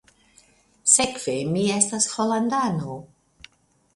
Sekve mi estas Holandano?